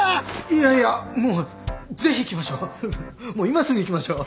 いやいやもうぜひ行きましょう。